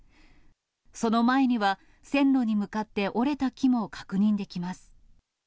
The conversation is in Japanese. その前には線路に向かって折れた木も確認できます。